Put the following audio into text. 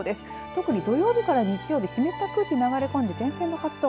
特に土曜日から日曜日湿った空気が流れ込んで前線の活動